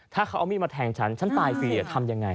ถ้าเขาเอามีดมาแทงฉันฉันตายฟรีทำยังไง